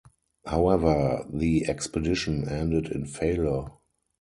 However, the expedition ended in failure.